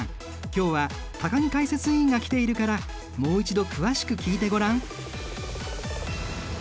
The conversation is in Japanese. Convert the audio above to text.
今日は高木解説員が来ているからもう一度詳しく聞いてごらん。